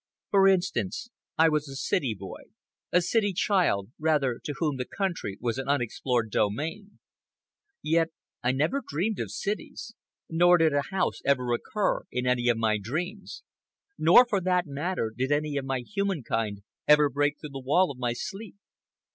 For instance, I was a city boy, a city child, rather, to whom the country was an unexplored domain. Yet I never dreamed of cities; nor did a house ever occur in any of my dreams. Nor, for that matter, did any of my human kind ever break through the wall of my sleep.